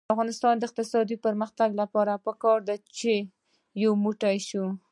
د افغانستان د اقتصادي پرمختګ لپاره پکار ده چې یو موټی شو.